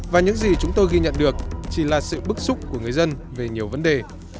và những gì chúng tôi ghi nhận được chỉ là sự bức xúc của người dân về nhiều vấn đề